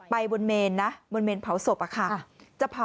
ไปบนเมรินเผาศพ